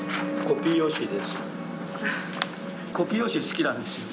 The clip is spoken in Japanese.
コピー用紙好きなんですよ。